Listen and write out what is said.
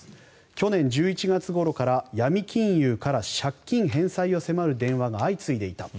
去年１１月ごろからヤミ金融から借金返済を迫る電話が相次いでいた。